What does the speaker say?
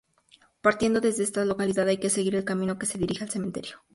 Partiendo de esta localidad hay que seguir el camino que se dirige al cementerio.